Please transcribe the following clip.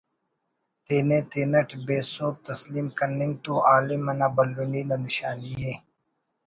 تینے تینٹ بے سہب تسلیم کننگ تو علم انا بھلنی نا نشانی ءِ